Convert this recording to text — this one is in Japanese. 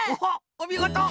おみごと！